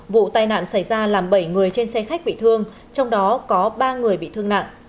vụ tai nạn xảy ra làm bảy người trên xe khách bị thương trong đó có ba người bị thương nặng